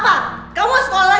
enggak mah sekarang udah malam